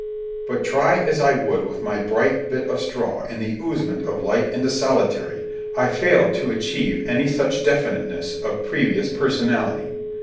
But try as I would with my bright bit of straw in the oozement of light into solitary, I failed to achieve any such definiteness of previous personality.